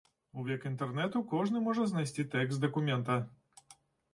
У век інтэрнэту кожны можа знайсці тэкст дакумента.